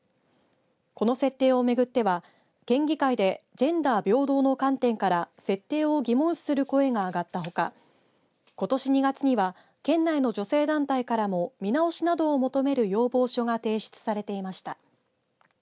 この設定を巡っては県議会でジェンダー平等の観点から設定を疑問視する声があがったほかことし２月には県内の女性団体からも見直しなどを求める要望書が提出されていました。